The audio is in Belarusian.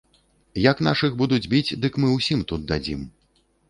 Як нашых будуць біць, дык мы ўсім тут дадзім!